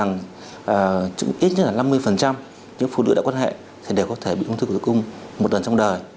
những phụ nữ đã quan hệ thì đều có thể bị ung thư cổ tử cung một lần trong đời